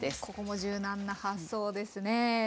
ここも柔軟な発想ですねえ。